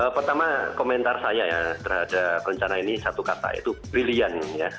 pertama komentar saya ya terhadap rencana ini satu kata itu brillian ya